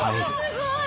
すごい！